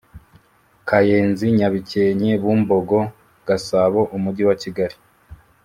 Kayenzi nyabikenkebumbogo gasabo umujyi wa kigali